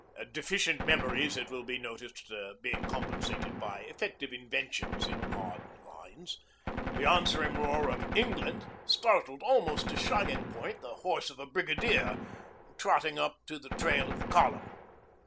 (deficient memories, it will be noticed, being compensated by effective inventions in odd lines). The answering roar of 'England' startled almost to shying point the horse of a brigadier trotting up to the tail of the column.